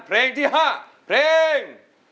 เพลงที่๕เพลง